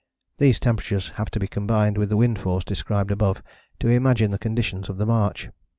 These temperatures have to be combined with the wind force described above to imagine the conditions of the march.